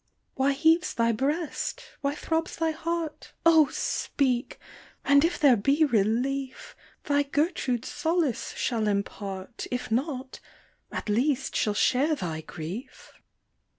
" Why heaves thy breast ?— why throbs thy heart ? O speak ! and if there be relief, Thy Gertrude solace shall impart, If not, at least shall share thy grief.